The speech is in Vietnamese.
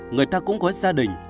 người ta cũng có gia đình